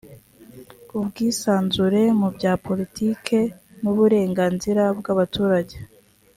ubwisanzure mu bya politike n uburenganzira bw abaturage